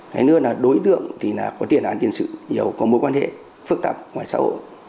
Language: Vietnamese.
cái nữa là đối tượng thì có tiền án tiền sự nhiều có mối quan hệ phức tạp ngoài xã hội